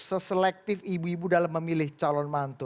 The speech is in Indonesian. seselektif ibu ibu dalam memilih calon mantu